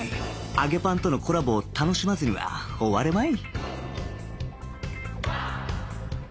揚げパンとのコラボを楽しまずには終われまい